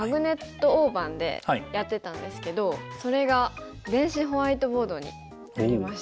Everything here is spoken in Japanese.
大盤でやってたんですけどそれが電子ホワイトボードになりました。